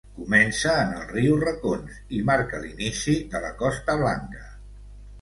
Comença en el riu Racons i marca l'inici de la Costa Blanca.